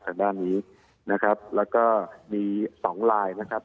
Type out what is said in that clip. ทางด้านนี้นะครับแล้วก็มีสองลายนะครับ